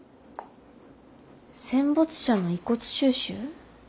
戦没者の遺骨収集。